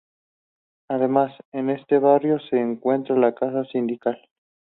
Además, en este barrio se encuentra la Casa Sindical.